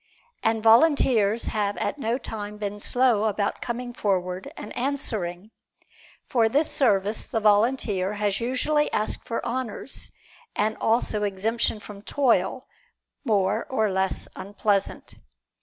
And volunteers have at no time been slow about coming forward and answering. For this service the volunteer has usually asked for honors and also exemption from toil more or less unpleasant.